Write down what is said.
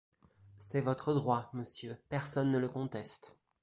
C’est votre droit, monsieur, personne ne le conteste.